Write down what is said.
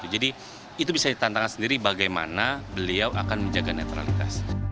jadi itu bisa ditantangkan sendiri bagaimana beliau akan menjaga netralitas